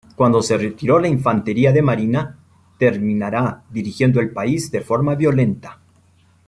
Cuando se retiró la Infantería de Marina, terminará dirigiendo el país de forma violenta.